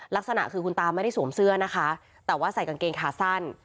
ลักษณะคือคุณตาไม่ได้สวมเสื้อนะคะแต่ว่าใส่กางเกงขาสั้น